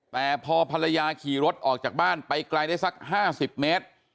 แต่พอภรรยาขี่รถออกจากบ้านไปไกลได้สัก๕๐เมตร